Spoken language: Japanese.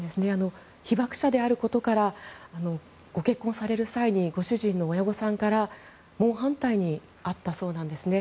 被爆者であることからご結婚される際にご主人の親御さんから猛反対に遭ったそうなんですね。